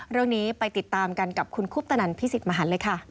เรื่องนี้ไปติดตามกันกับคุณคุปตนันพิสิทธิมหันเลยค่ะ